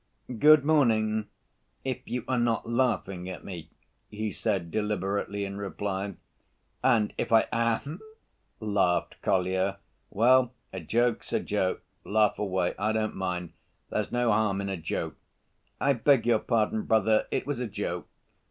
"Good morning, if you are not laughing at me," he said deliberately in reply. "And if I am?" laughed Kolya. "Well, a joke's a joke. Laugh away. I don't mind. There's no harm in a joke." "I beg your pardon, brother, it was a joke."